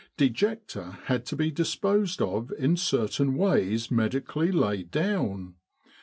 Dejecta had to be disposed of in certain ways medi cally laid down.